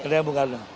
kendaraan bung karno